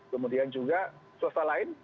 kemudian juga swasta lain